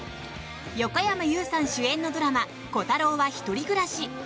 横山裕さん主演のドラマ「コタローは一人暮らし」。